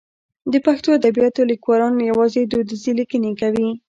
د پښتو ادبیاتو لیکوالان یوازې دودیزې لیکنې کوي.